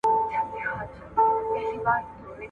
د هغه قام به خاوري په سر وي `